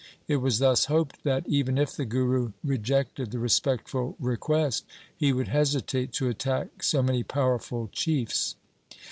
It was thus hoped that, even if the Guru rejected the respectful request, he would hesitate to attack so many powerful chiefs.